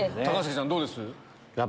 高杉さんどうです？